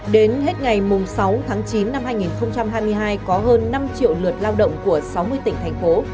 đến hết ngày sáu tháng chín năm hai nghìn hai mươi hai có hơn năm triệu lượt lao động của sáu mươi tỉnh thành phố